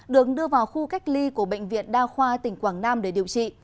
được đưa vào khu cách ly của bệnh viện đa khoa tỉnh quảng nam để điều trị